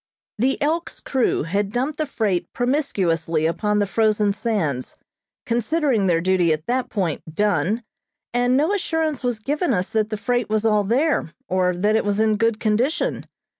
The "Elk's" crew had dumped the freight promiscuously upon the frozen sands, considering their duty at that point done, and no assurance was given us that the freight was all there, or that it was in good condition.